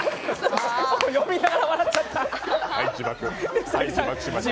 読みながら笑ってしまった。